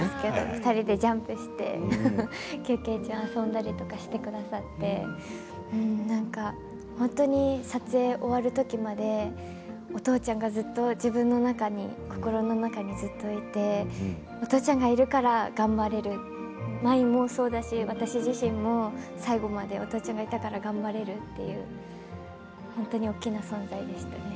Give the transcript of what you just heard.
２人でジャンプして休憩中遊んだりしてくださって本当に撮影を終わる時までお父ちゃんがずっと自分の心の中にずっといてお父ちゃんがいるから頑張れる舞もそうだし、私自身も最後までお父ちゃんがいたから頑張れるって本当に大きな存在でした。